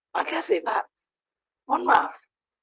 makasih pak mohon maaf